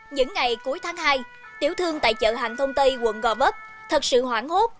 những ngày cuối tháng hai tiểu thương tại chợ hạnh thông tây quận gò vấp thật sự hoảng hốt